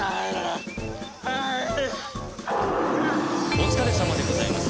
お疲れさまでございます。